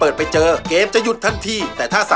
โอ้โหขอบคุณเจ้าค่ะ